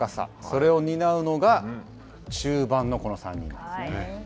それを担うのが、中盤のこの３人ですね。